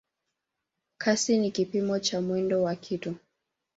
Kasi ni kipimo cha mwendo wa kitu.